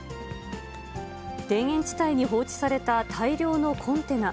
田園地帯に放置された大量のコンテナ。